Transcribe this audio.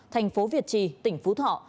tp việt trì tỉnh phú thọ